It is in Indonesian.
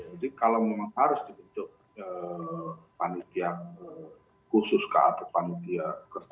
kalau memang harus dibentuk panitia khusus atau panitia kerja